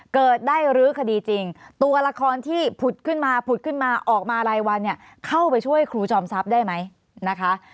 เกิดได้รื้อคดีจริงตัวละครที่ผุดขึ้นมาผุดขึ้นมาออกมารายวันเนี่ยเข้าไปช่วยครูจอมทรัพย์ได้ไหมนะคะ